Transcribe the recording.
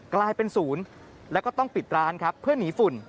กลายเป็นศูนย์แล้วก็ต้องปิดร้านครับเพื่อหนีฝุ่น